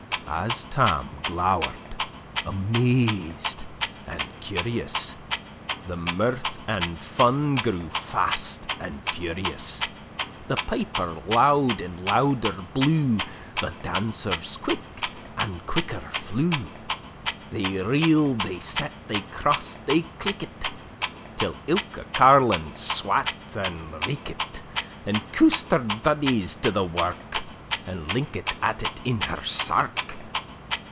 ] As Tammie glowr'd, amaz'd, and curious, The mirth and fun grew fast and furious: The piper loud and louder blew: The dancers quick and quicker flew; They reel'd, they set, they cross'd, they cleekit, Till ilka carlin swat and reekit, And coost her duddies to the wark, And linket at it in her sark!